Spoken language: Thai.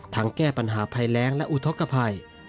แก้ปัญหาภัยแรงและอุทธกภัย